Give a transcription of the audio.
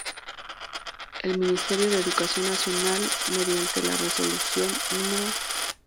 El Ministerio de Educación Nacional mediante la resolución No.